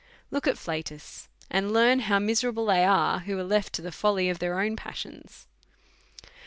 Look at Flatus, and learn how miserable they are who are left to the folly of their own passions.